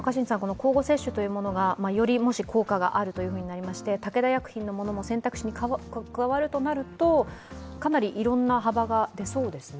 交互接種というものが、より効果があるということになりまして武田薬品のものも選択肢に加わるとなるとかなりいろいろな幅が出そうですね？